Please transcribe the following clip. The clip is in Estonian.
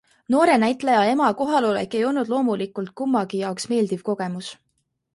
Noore näitleja ema kohalolek ei olnud loomulikult kummagi jaoks meeldiv kogemus.